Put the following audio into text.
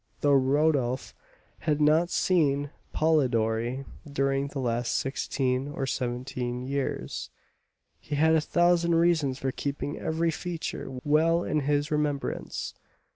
Though Rodolph had not seen Polidori during the last sixteen or seventeen years, he had a thousand reasons for keeping every feature well in his remembrance.